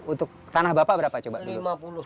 untuk tanah bapak berapa coba